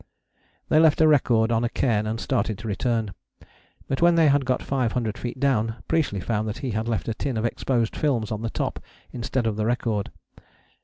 They left a record on a cairn and started to return. But when they had got 500 feet down Priestley found that he had left a tin of exposed films on the top instead of the record.